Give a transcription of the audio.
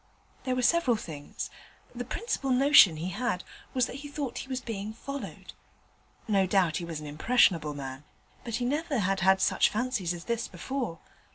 There were several things; the principal notion he had was that he thought he was being followed. No doubt he was an impressionable man, but he never had had such fancies as this before.